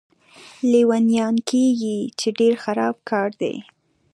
لیونیان کېږي، چې ډېر خراب کار دی.